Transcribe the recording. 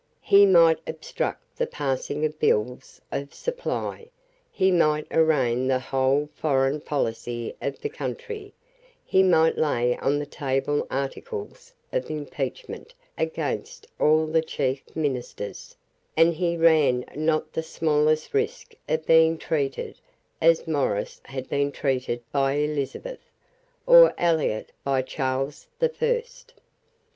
He might obstruct the passing of bills of supply; he might arraign the whole foreign policy of the country; he might lay on the table articles of impeachment against all the chief ministers; and he ran not the smallest risk of being treated as Morrice had been treated by Elizabeth, or Eliot by Charles the First.